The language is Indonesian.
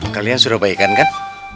kalian sudah baikkan kan